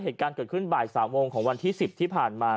เหตุการณ์เกิดขึ้นบ่าย๓โมงของวันที่๑๐ที่ผ่านมา